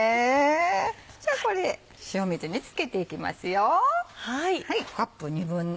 じゃあこれ塩水に漬けていきます。